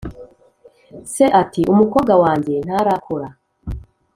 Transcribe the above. se ati ‘umukobwa wanjye ntarakura.’